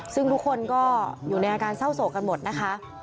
ซึ่งทุกคนก็อยู่ในอาการเศร้าโศกกันหมดนะคะ